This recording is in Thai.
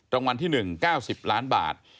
รางวัลที่๑๙๐ล้านบาท